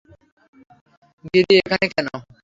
গিরি এখানে কেন?